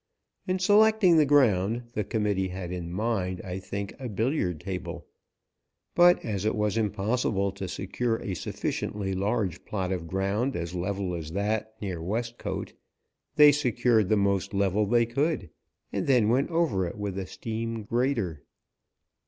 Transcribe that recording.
In selecting the ground the Committee had in mind, I think, a billiard table, but as it was impossible to secure a sufficiently large plot of ground as level as that near Westcote, they secured the most level they could and then went over it with a steam grader.